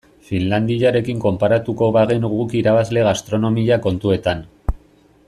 Finlandiarekin konparatuko bagenu guk irabazle gastronomia kontuetan.